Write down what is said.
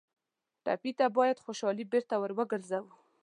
ټپي ته باید خوشالي بېرته راوګرځوو.